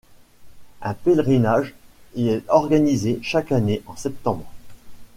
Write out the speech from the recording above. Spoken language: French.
Un pèlerinage y est organisé chaque année en septembre.